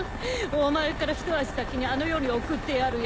お前からひと足先にあの世に送ってやるよ。